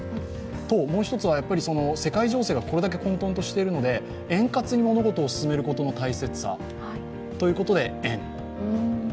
もう一つは世界情勢がこれだけ混沌としているので円滑に物事を進めることの大切ということで「円」。